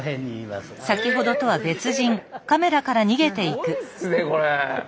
すごいっすねこれ。